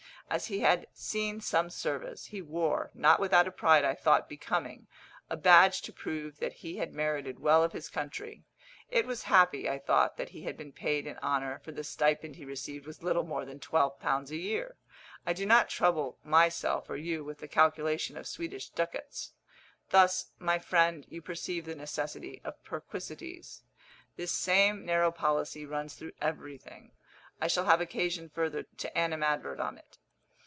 As he had seen some service, he wore, not without a pride I thought becoming, a badge to prove that he had merited well of his country. It was happy, I thought, that he had been paid in honour, for the stipend he received was little more than twelve pounds a year. I do not trouble myself or you with the calculation of Swedish ducats. Thus, my friend, you perceive the necessity of perquisites. This same narrow policy runs through everything. I shall have occasion further to animadvert on it.